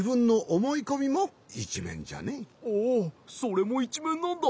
それもいちめんなんだ！